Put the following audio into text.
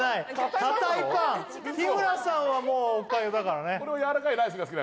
日村さんはもうお粥だからね。